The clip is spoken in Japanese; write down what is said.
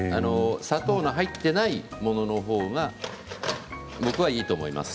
砂糖の入っていないものの方が僕はいいと思います。